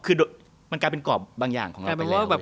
คือมันกลายเป็นกรอบบางอย่างของเรา